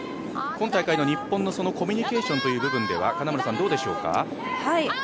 今大会の日本のコミュニケーションという部分ではどうでしょうか。